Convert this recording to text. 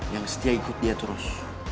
yang setia ikut dia terus